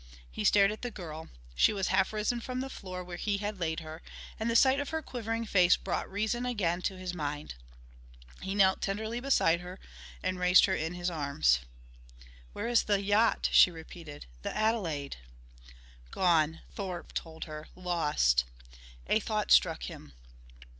He stared at the girl. She was half risen from the floor where he had laid her, and the sight of her quivering face brought reason again to his mind. He knelt tenderly beside her and raised her in his arms. "Where is the yacht?" she repeated. "The Adelaide?" "Gone," Thorpe told her. "Lost!" A thought struck him.